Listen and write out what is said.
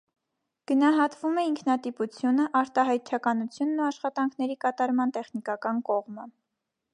Գնահատվում է ինքնատիպությունը, արտահայտչականությունն ու աշխատանքների կատարման տեխնիկական կողմը։